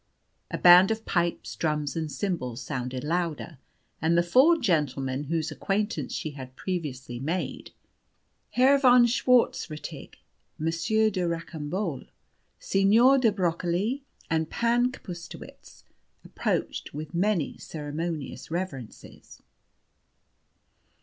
A band of pipes, drums and cymbals sounded louder, and the four gentlemen whose acquaintance she had previously made, viz. Herr von Schwartzrettig, Monsieur de Rocambolle, Signor di Broccoli and Pan Kapustowicz, approached with many ceremonious reverences.